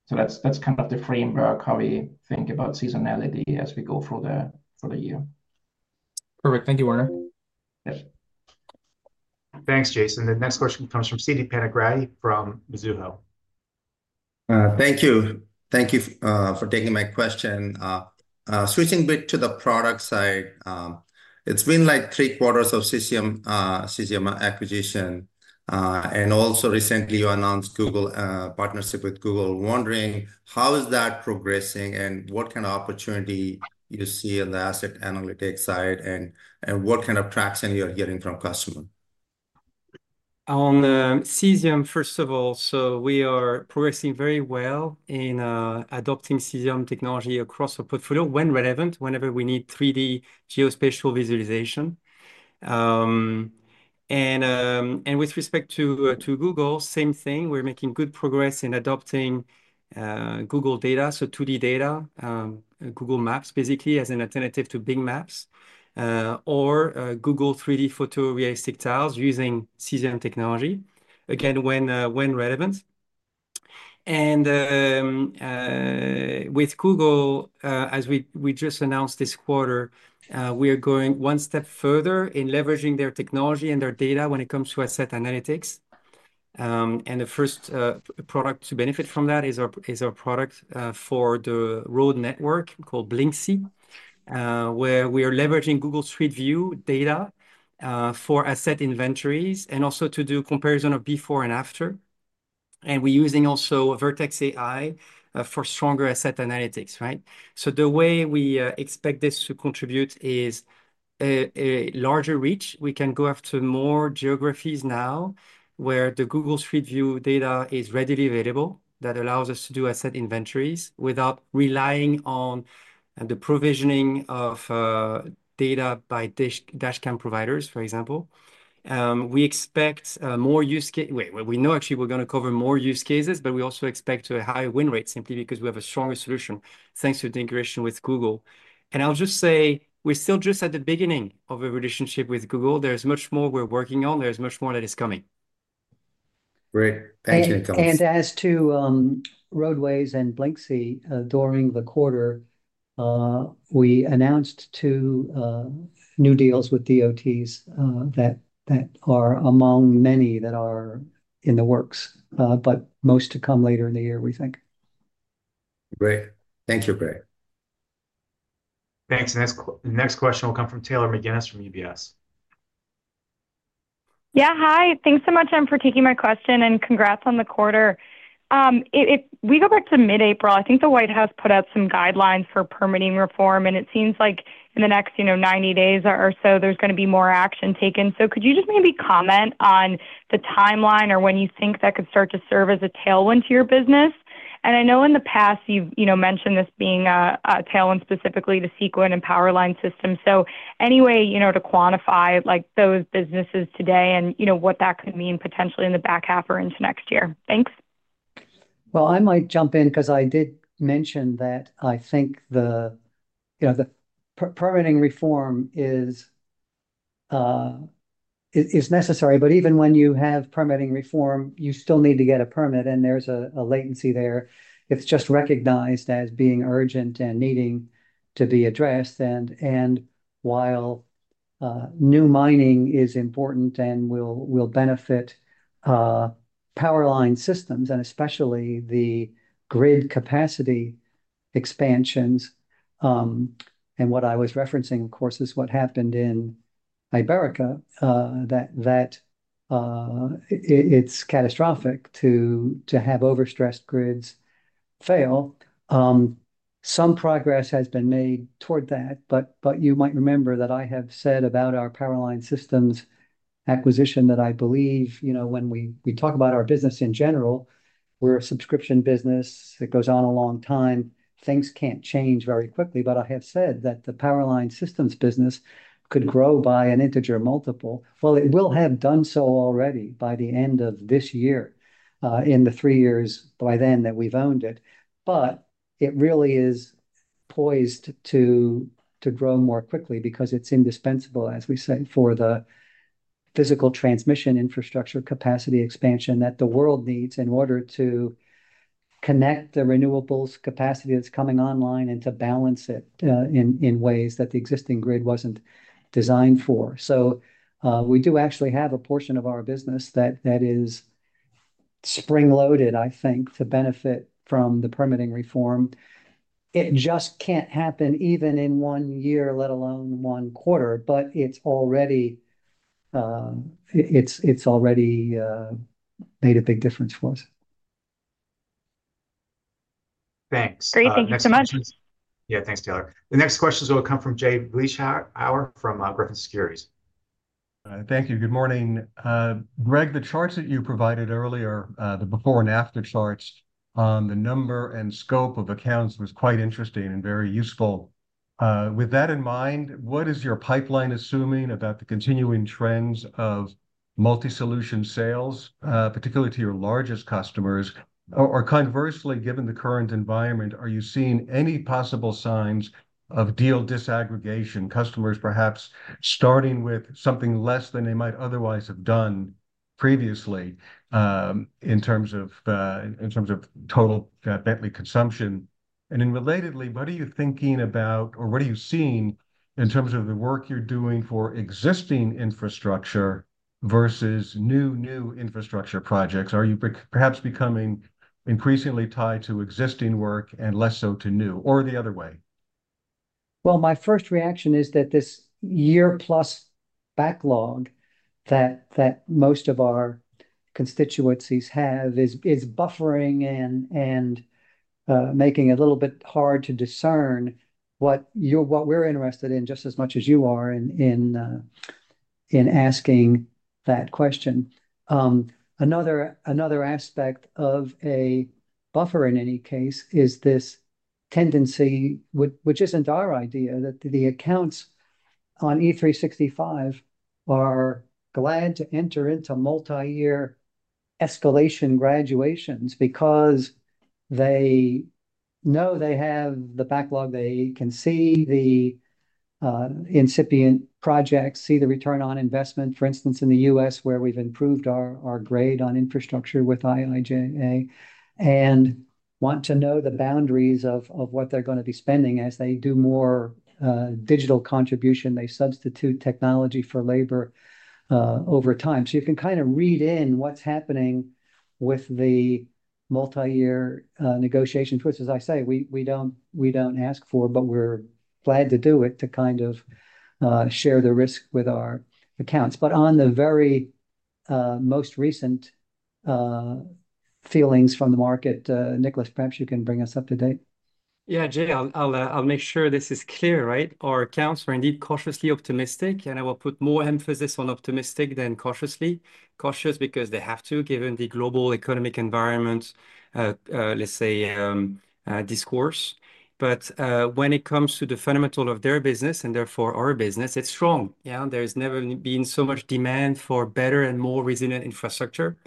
That is kind of the framework, how we think about seasonality as we go through the year. Perfect. Thank you, Werner. Yes. Thanks, Jason. The next question comes from Siti Panigrahi from Mizuho. Thank you. Thank you for taking my question. Switching a bit to the product side, it has been like three quarters of Cesium acquisition. And also recently, you announced partnership with Google. Wondering how is that progressing and what kind of opportunity you see on the asset analytics side and what kind of traction you are hearing from customers? On Cesium, first of all, we are progressing very well in adopting Cesium technology across our portfolio when relevant, whenever we need 3D geospatial visualization. And with respect to Google, same thing. We're making good progress in adopting Google data, so 2D data, Google Maps basically as an alternative to Bing Maps, or Google 3D photo realistic tiles using Cesium technology, again, when relevant. With Google, as we just announced this quarter, we are going one step further in leveraging their technology and their data when it comes to asset analytics. The first product to benefit from that is our product for the road network called Blyncsy, where we are leveraging Google Street View data for asset inventories and also to do comparison of before and after. We're using also Vertex AI for stronger asset analytics. The way we expect this to contribute is a larger reach. We can go after more geographies now where the Google Street View data is readily available that allows us to do asset inventories without relying on the provisioning of data by dashcam providers, for example. We expect more use cases. We know actually we're going to cover more use cases, but we also expect a higher win rate simply because we have a stronger solution thanks to integration with Google. I'll just say we're still just at the beginning of a relationship with Google. There's much more we're working on. There's much more that is coming. Great. Thank you, Nicholas. As to roadways and Blyncsy during the quarter, we announced two new deals with DOTs that are among many that are in the works, but most to come later in the year, we think. Great. Thank you, Greg. Thanks. Next question will come from Taylor McGinnis from UBS. Yeah, hi. Thanks so much for taking my question and congrats on the quarter. If we go back to mid-April, I think the White House put out some guidelines for permitting reform. It seems like in the next 90 days or so, there's going to be more action taken. Could you just maybe comment on the timeline or when you think that could start to serve as a tailwind to your business? I know in the past, you've mentioned this being a tailwind specifically to Seequent and Power Line Systems. Any way to quantify those businesses today and what that could mean potentially in the back half or into next year? Thanks. I might jump in because I did mention that I think the permitting reform is necessary. Even when you have permitting reform, you still need to get a permit. There is a latency there. It is just recognized as being urgent and needing to be addressed. While new mining is important and will benefit Power Line Systems, and especially the grid capacity expansions, what I was referencing, of course, is what happened in Iberica, that it is catastrophic to have overstressed grids fail. Some progress has been made toward that. You might remember that I have said about our Power Line Systems acquisition that I believe when we talk about our business in general, we are a subscription business that goes on a long time. Things cannot change very quickly. I have said that the Power Line Systems business could grow by an integer multiple. It will have done so already by the end of this year in the three years by then that we have owned it. It really is poised to grow more quickly because it's indispensable, as we say, for the physical transmission infrastructure capacity expansion that the world needs in order to connect the renewables capacity that's coming online and to balance it in ways that the existing grid wasn't designed for. We do actually have a portion of our business that is spring-loaded, I think, to benefit from the permitting reform. It just can't happen even in one year, let alone one quarter. It's already made a big difference for us. Thanks. Great. Thank you so much. Yeah, thanks, Taylor. The next question is going to come from Jay Vleeschhouwer from Griffin Securities. Thank you. Good morning. Greg, the charts that you provided earlier, the before and after charts on the number and scope of accounts was quite interesting and very useful. With that in mind, what is your pipeline assuming about the continuing trends of multi-solution sales, particularly to your largest customers? Or conversely, given the current environment, are you seeing any possible signs of deal disaggregation, customers perhaps starting with something less than they might otherwise have done previously in terms of total Bentley consumption? Relatedly, what are you thinking about or what are you seeing in terms of the work you're doing for existing infrastructure versus new infrastructure projects? Are you perhaps becoming increasingly tied to existing work and less so to new or the other way? My first reaction is that this year-plus backlog that most of our constituencies have is buffering and making it a little bit hard to discern what we're interested in just as much as you are in asking that question. Another aspect of a buffer, in any case, is this tendency, which isn't our idea, that the accounts on E365 are glad to enter into multi-year escalation graduations because they know they have the backlog. They can see the incipient projects, see the return on investment. For instance, in the U.S., where we've improved our grade on infrastructure with IIJA and want to know the boundaries of what they're going to be spending as they do more digital contribution. They substitute technology for labor over time. You can kind of read in what's happening with the multi-year negotiation, which, as I say, we don't ask for, but we're glad to do it to kind of share the risk with our accounts. On the very most recent feelings from the market, Nicholas, perhaps you can bring us up to date. Yeah, Jay, I'll make sure this is clear. Our accounts are indeed cautiously optimistic, and I will put more emphasis on optimistic than cautiously cautious because they have to, given the global economic environment, let's say, discourse. When it comes to the fundamental of their business and therefore our business, it's strong. There has never been so much demand for better and more resilient infrastructure.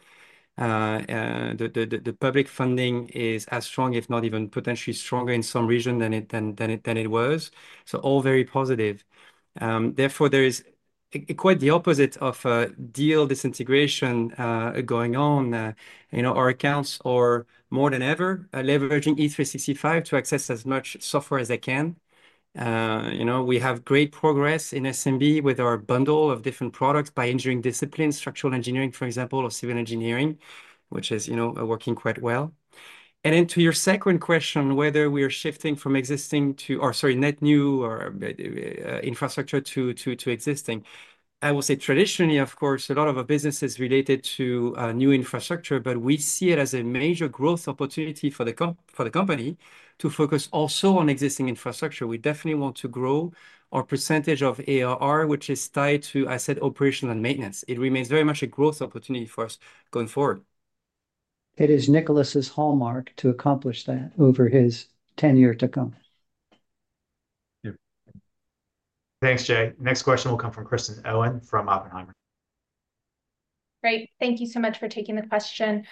The public funding is as strong, if not even potentially stronger in some region than it was. All very positive. Therefore, there is quite the opposite of deal disintegration going on. Our accounts are more than ever leveraging E365 to access as much software as they can. We have great progress in SMB with our bundle of different products by engineering disciplines, structural engineering, for example, or civil engineering, which is working quite well. To your second question, whether we are shifting from existing to, or sorry, net new infrastructure to existing, I will say traditionally, of course, a lot of our business is related to new infrastructure, but we see it as a major growth opportunity for the company to focus also on existing infrastructure. We definitely want to grow our percentage of ARR, which is tied to asset operation and maintenance. It remains very much a growth opportunity for us going forward. It is Nicholas's hallmark to accomplish that over his tenure to come. Thanks, Jay. Next question will come from Kristen Owen from Oppenheimer. Great. Thank you so much for taking the question.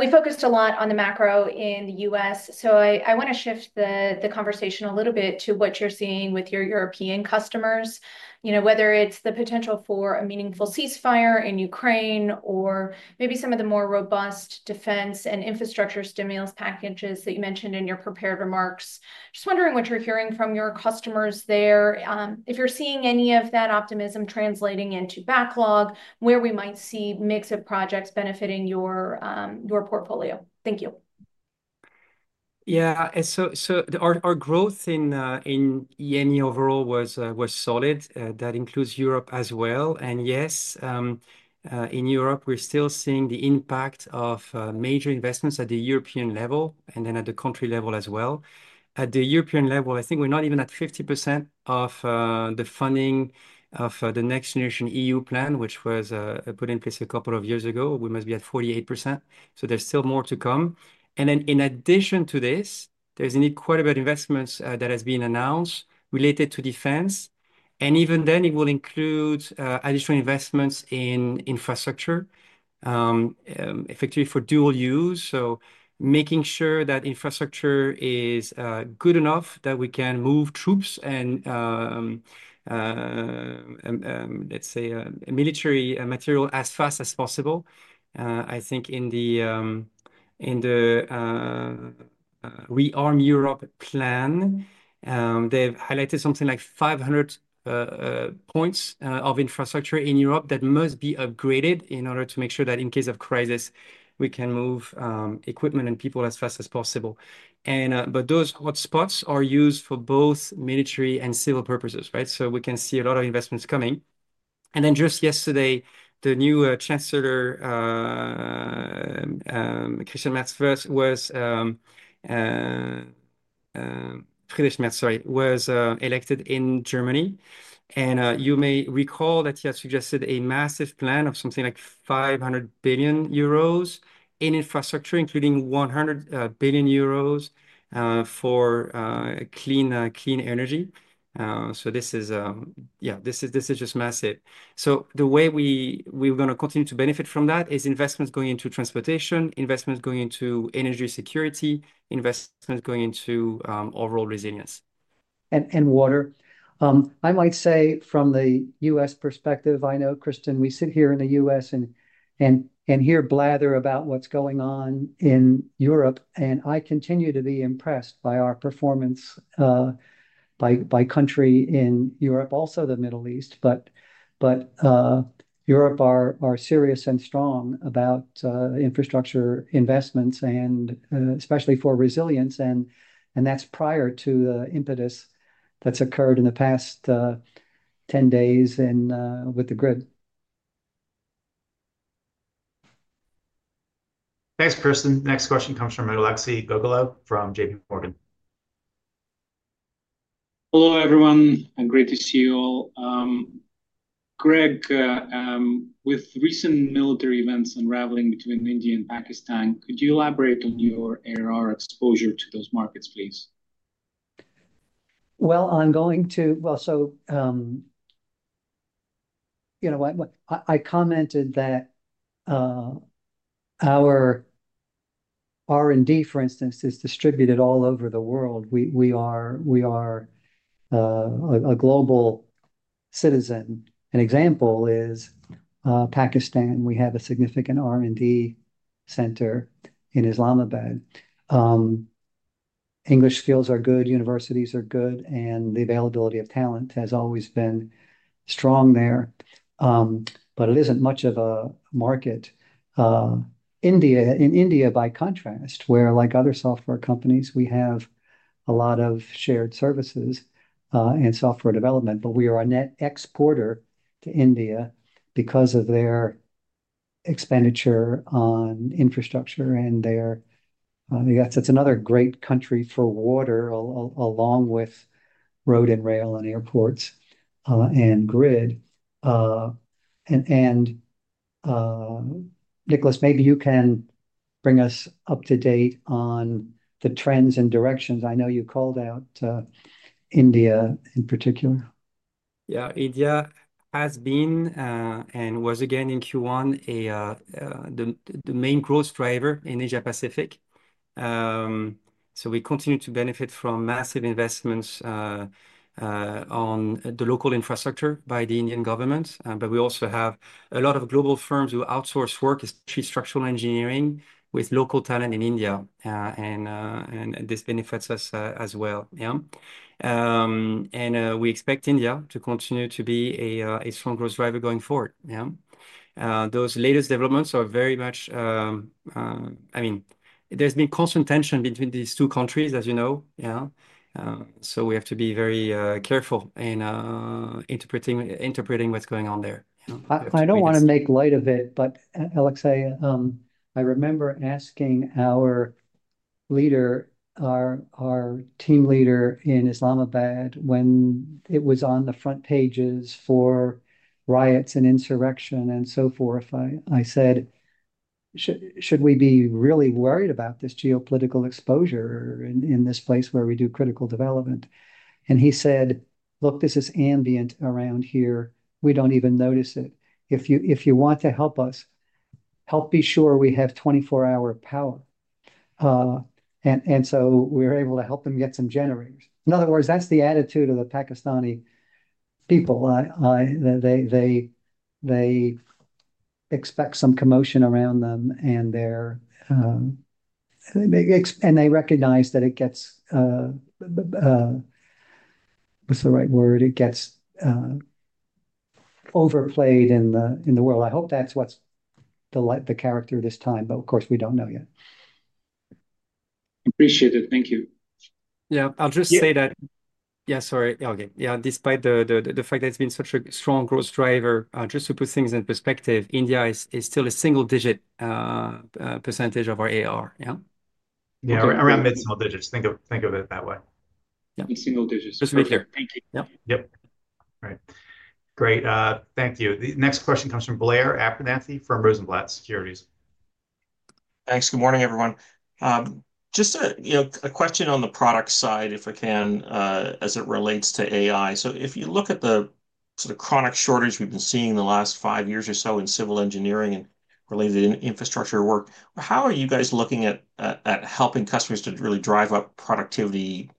We focused a lot on the macro in the U.S. I want to shift the conversation a little bit to what you're seeing with your European customers, whether it's the potential for a meaningful ceasefire in Ukraine or maybe some of the more robust defense and infrastructure stimulus packages that you mentioned in your prepared remarks. Just wondering what you're hearing from your customers there. If you're seeing any of that optimism translating into backlog, where we might see a mix of projects benefiting your portfolio. Thank you. Yeah. Our growth in EMEA overall was solid. That includes Europe as well. Yes, in Europe, we're still seeing the impact of major investments at the European level and then at the country level as well. At the European level, I think we're not even at 50% of the funding of the NextGenerationEU plan, which was put in place a couple of years ago. We must be at 48%. There is still more to come. In addition to this, there is quite a bit of investments that have been announced related to defense. Even then, it will include additional investments in infrastructure, effectively for dual use. Making sure that infrastructure is good enough that we can move troops and, let's say, military material as fast as possible. I think in the ReArm Europe Plan, they have highlighted something like 500 points of infrastructure in Europe that must be upgraded in order to make sure that in case of crisis, we can move equipment and people as fast as possible. Those hotspots are used for both military and civil purposes. We can see a lot of investments coming. Just yesterday, the new Chancellor, Friedrich Merz, was elected in Germany. You may recall that he has suggested a massive plan of something like $ 500 billion in infrastructure, including $ 100 billion for clean energy. This is just massive. The way we are going to continue to benefit from that is investments going into transportation, investments going into energy security, investments going into overall resilience. And water. I might say from the U.S. perspective, I know, Kristen, we sit here in the U.S. and hear blather about what is going on in Europe. I continue to be impressed by our performance by country in Europe, also the Middle East, but Europe are serious and strong about infrastructure investments, especially for resilience. That is prior to the impetus that has occurred in the past 10 days with the grid. Thanks, Kristen. Next question comes from Alexei Gogolev from JPMorgan. Hello, everyone. Great to see you all. Greg, with recent military events unraveling between India and Pakistan, could you elaborate on your ARR exposure to those markets, please? I'm going to, so I commented that our R&D, for instance, is distributed all over the world. We are a global citizen. An example is Pakistan. We have a significant R&D center in Islamabad. English skills are good, universities are good, and the availability of talent has always been strong there. It isn't much of a market. In India, by contrast, where like other software companies, we have a lot of shared services and software development. We are a net exporter to India because of their expenditure on infrastructure. That's another great country for water, along with road and rail and airports and grid. Nicholas, maybe you can bring us up to date on the trends and directions. I know you called out India in particular. Yeah, India has been and was, again, in Q1 the main growth driver in Asia-Pacific. We continue to benefit from massive investments on the local infrastructure by the Indian government. We also have a lot of global firms who outsource work, especially structural engineering, with local talent in India. This benefits us as well. We expect India to continue to be a strong growth driver going forward. Those latest developments are very much, I mean, there's been constant tension between these two countries, as you know. We have to be very careful in interpreting what's going on there. I don't want to make light of it, but Alex, I remember asking our leader, our team leader in Islamabad, when it was on the front pages for riots and insurrection and so forth, I said, "Should we be really worried about this geopolitical exposure in this place where we do critical development?" He said, "Look, this is ambient around here. We don't even notice it. If you want to help us, help be sure we have 24-hour power." We were able to help them get some generators. In other words, that's the attitude of the Pakistani people. They expect some commotion around them. They recognize that it gets, what's the right word? It gets overplayed in the world. I hope that's what's the character this time. Of course, we don't know yet. Appreciate it. Thank you. Yeah, I'll just say that. Yeah, sorry. Okay. Yeah, despite the fact that it's been such a strong growth driver, just to put things in perspective, India is still a single-digit percentage of our ARR. Yeah, around mid-small digits. Think of it that way. Single digits. Just to be clear. Thank you. Yep. Yep. All right. Great. Thank you. Next question comes from Blair Abernethy from Rosenblatt Securities. Thanks. Good morning, everyone. Just a question on the product side, if I can, as it relates to AI. If you look at the sort of chronic shortage we've been seeing the last five years or so in civil engineering and related infrastructure work, how are you guys looking at helping customers to really drive up productivity,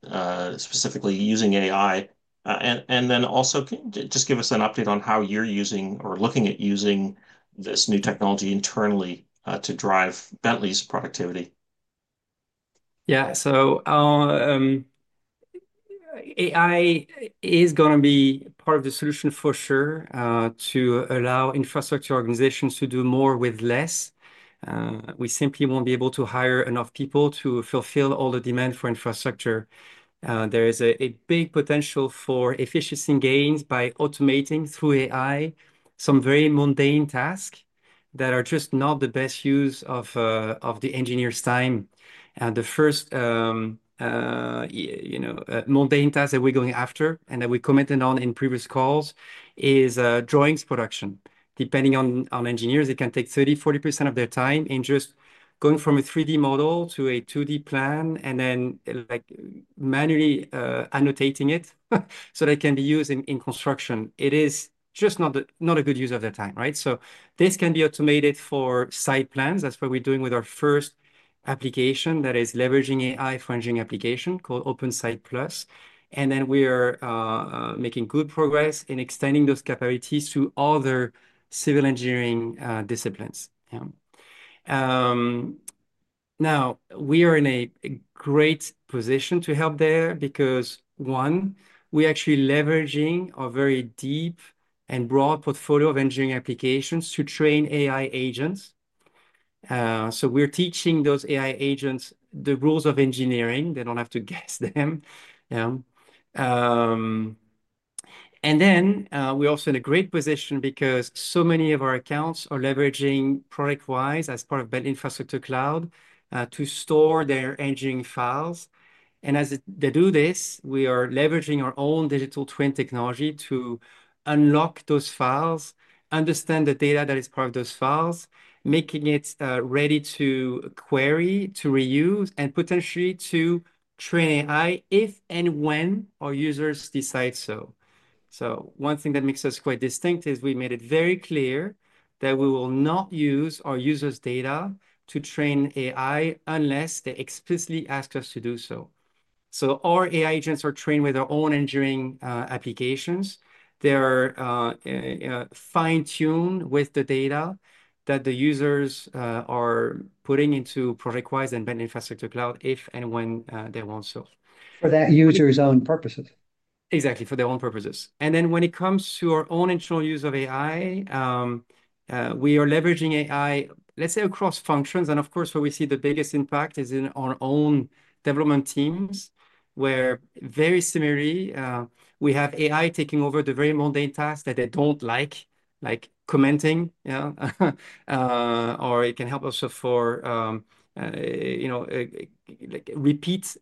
specifically using AI? Also, just give us an update on how you're using or looking at using this new technology internally to drive Bentley's productivity. Yeah. AI is going to be part of the solution for sure to allow infrastructure organizations to do more with less. We simply won't be able to hire enough people to fulfill all the demand for infrastructure. There is a big potential for efficiency gains by automating through AI some very mundane tasks that are just not the best use of the engineer's time. The first mundane task that we're going after, and that we commented on in previous calls, is drawings production. Depending on engineers, it can take 30-40% of their time in just going from a 3D model to a 2D plan and then manually annotating it so they can be used in construction. It is just not a good use of their time. This can be automated for site plans. That's what we're doing with our first application that is leveraging AI for engineering application called OpenSite+. We are making good progress in extending those capabilities to other civil engineering disciplines. Now, we are in a great position to help there because, one, we're actually leveraging a very deep and broad portfolio of engineering applications to train AI agents. We're teaching those AI agents the rules of engineering. They don't have to guess them. We are also in a great position because so many of our accounts are leveraging ProjectWise as part of Bentley Infrastructure Cloud to store their engineering files. As they do this, we are leveraging our own digital twin technology to unlock those files, understand the data that is part of those files, making it ready to query, to reuse, and potentially to train AI if and when our users decide so. One thing that makes us quite distinct is we made it very clear that we will not use our users' data to train AI unless they explicitly ask us to do so. Our AI agents are trained with our own engineering applications. They are fine-tuned with the data that the users are putting into ProjectWise and Bentley Infrastructure Cloud if and when they want so, for that user's own purposes. Exactly, for their own purposes. When it comes to our own internal use of AI, we are leveraging AI, let's say, across functions. Of course, where we see the biggest impact is in our own development teams, where very similarly, we have AI taking over the very mundane tasks that they do not like, like commenting, or it can help us for repeat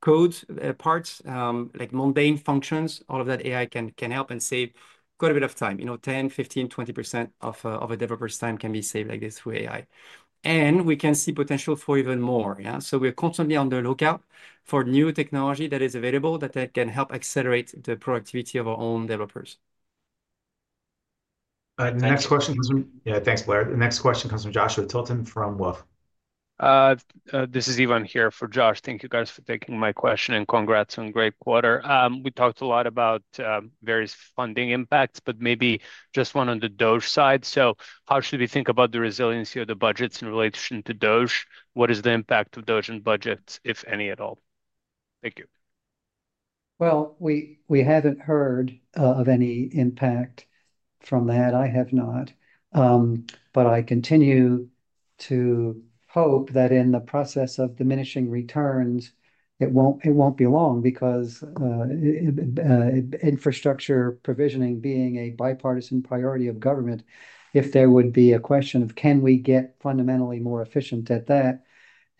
code parts, like mundane functions. All of that AI can help and save quite a bit of time. 10-15-20% of a developer's time can be saved like this through AI. We can see potential for even more. We are constantly on the lookout for new technology that is available that can help accelerate the productivity of our own developers. Next question comes from, yeah, thanks, Blair. The next question comes from Joshua Tilton from Wolfe. This is Ivan here for Josh. Thank you, guys, for taking my question and congrats on Great Quarter. We talked a lot about various funding impacts, but maybe just one on the DOGE side. How should we think about the resiliency of the budgets in relation to DOGE? What is the impact of DOGE and budgets, if any at all? Thank you. We have not heard of any impact from that. I have not. I continue to hope that in the process of diminishing returns, it will not be long because infrastructure provisioning being a bipartisan priority of government, if there would be a question of, can we get fundamentally more efficient at that?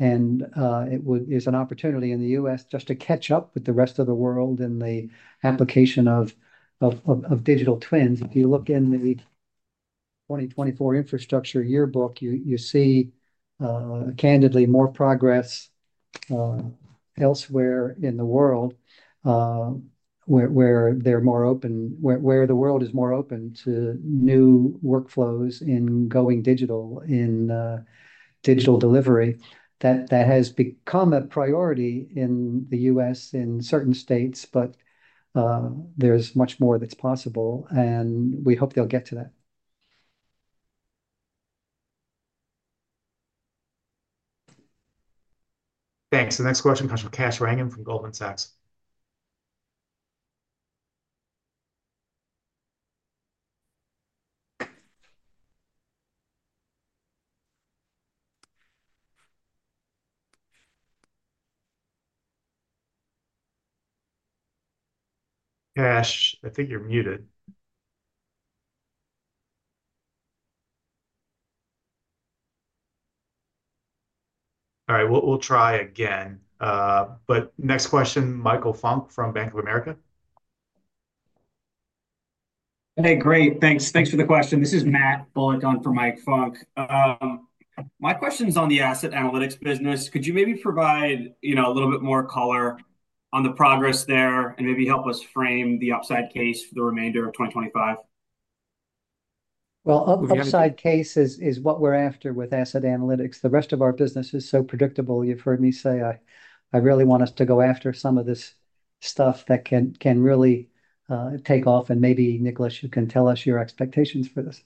It is an opportunity in the US just to catch up with the rest of the world in the application of digital twins. If you look in the 2024 infrastructure yearbook, you see, candidly, more progress elsewhere in the world where they're more open, where the world is more open to new workflows in going digital, in digital delivery. That has become a priority in the U.S. in certain states, but there's much more that's possible. We hope they'll get to that. Thanks. The next question comes from Kash Rangan from Goldman Sachs. Kash, I think you're muted. All right. We'll try again. Next question, Michael Funk from Bank of America. Hey, great. Thanks. Thanks for the question. This is Matt Bullock on from Mike Funk. My question is on the asset analytics business. Could you maybe provide a little bit more color on the progress there and maybe help us frame the upside case for the remainder of 2025? Upside case is what we're after with asset analytics. The rest of our business is so predictable. You've heard me say I really want us to go after some of this stuff that can really take off. Maybe, Nicholas, you can tell us your expectations for this.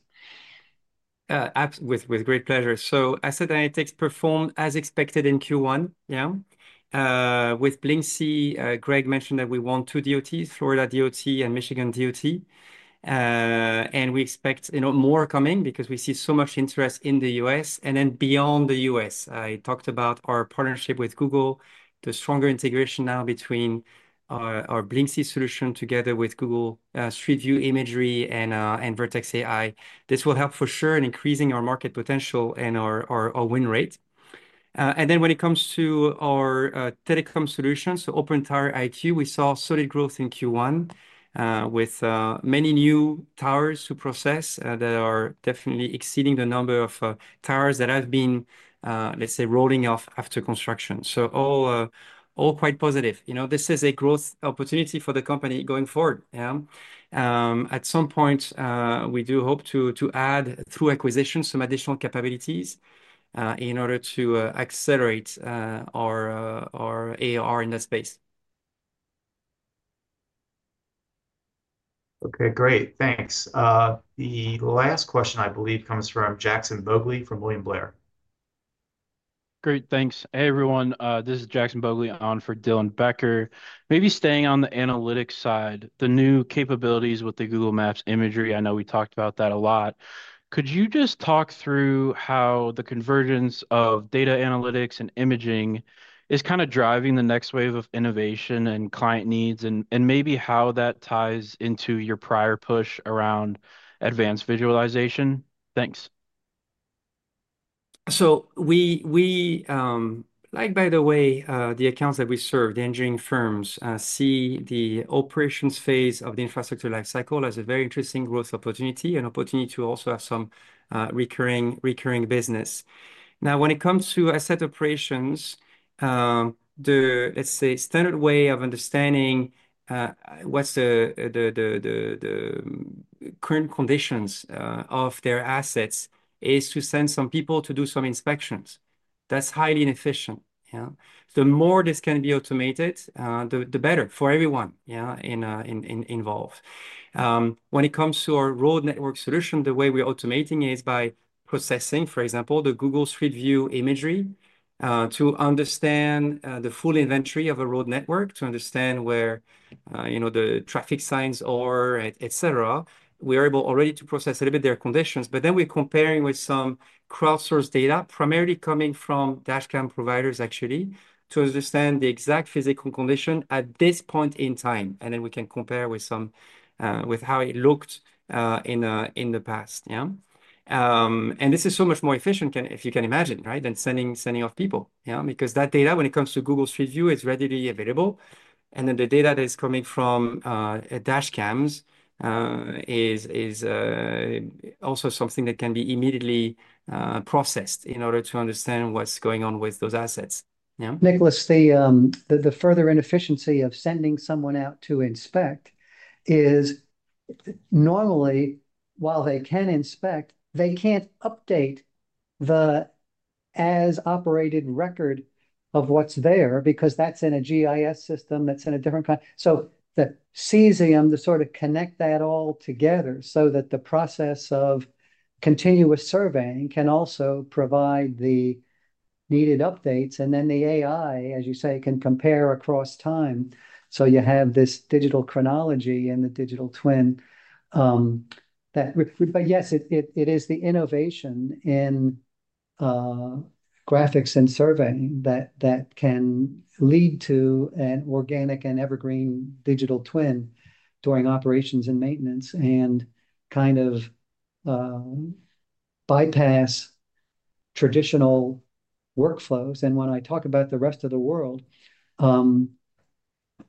With great pleasure. Asset analytics performed as expected in Q1. With Blyncsy, Greg mentioned that we won two DOTs, Florida DOT and Michigan DOT. We expect more coming because we see so much interest in the US and then beyond the US. I talked about our partnership with Google, the stronger integration now between our Blyncsy solution together with Google Street View imagery and Vertex AI. This will help for sure in increasing our market potential and our win rate. When it comes to our telecom solutions, so Open Tower IQ, we saw solid growth in Q1 with many new towers to process that are definitely exceeding the number of towers that have been, let's say, rolling off after construction. All quite positive. This is a growth opportunity for the company going forward. At some point, we do hope to add through acquisition some additional capabilities in order to accelerate our ARR in that space. Okay, great. Thanks. The last question, I believe, comes from Jackson Bogli from William Blair. Great. Thanks, everyone. This is Jackson Bogli on for Dylan Becker. Maybe staying on the analytics side, the new capabilities with the Google Maps imagery, I know we talked about that a lot. Could you just talk through how the convergence of data analytics and imaging is kind of driving the next wave of innovation and client needs and maybe how that ties into your prior push around advanced visualization? Thanks. We, by the way, the accounts that we serve, the engineering firms see the operations phase of the infrastructure life cycle as a very interesting growth opportunity and opportunity to also have some recurring business. Now, when it comes to asset operations, the, let's say, standard way of understanding what's the current conditions of their assets is to send some people to do some inspections. That's highly inefficient. The more this can be automated, the better for everyone involved. When it comes to our road network solution, the way we're automating is by processing, for example, the Google Street View imagery to understand the full inventory of a road network, to understand where the traffic signs are, et cetera. We are able already to process a little bit of their conditions, but then we're comparing with some crowdsourced data, primarily coming from dashcam providers, actually, to understand the exact physical condition at this point in time. We can compare with how it looked in the past. This is so much more efficient, if you can imagine, than sending off people. That data, when it comes to Google Street View, is readily available. The data that is coming from dashcams is also something that can be immediately processed in order to understand what's going on with those assets. Nicholas, the further inefficiency of sending someone out to inspect is normally, while they can inspect, they can't update the as-operated record of what's there because that's in a GIS system that's in a different kind. The Cesium to sort of connect that all together so that the process of continuous surveying can also provide the needed updates. The AI, as you say, can compare across time. You have this digital chronology and the digital twin. Yes, it is the innovation in graphics and surveying that can lead to an organic and evergreen digital twin during operations and maintenance and kind of bypass traditional workflows. When I talk about the rest of the world,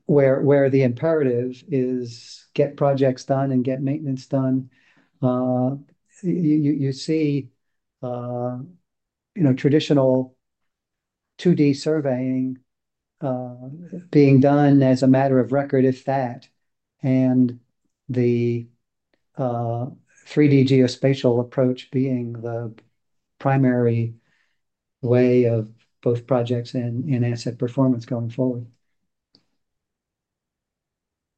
where the imperative is get projects done and get maintenance done, you see traditional 2D surveying being done as a matter of record if that and the 3D geospatial approach being the primary way of both projects and asset performance going forward.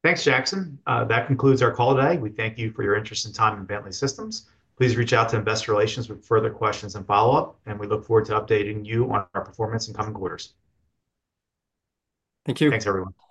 Thanks, Jackson. That concludes our call today. We thank you for your interest in time and Bentley Systems. Please reach out to Investor Relations with further questions and follow-up, and we look forward to updating you on our performance in coming quarters. Thank you. Thanks, everyone. Thank you.